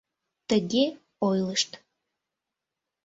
Тыге ойлышт.